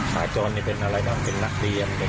สัญจรเป็นอะไรเป็นนักเรียน